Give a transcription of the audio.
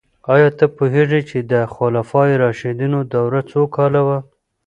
آیا ته پوهیږې چې د خلفای راشدینو دوره څو کاله وه؟